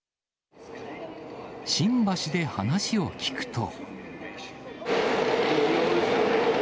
新橋で話を聞くと。